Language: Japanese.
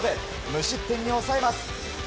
無失点に抑えます。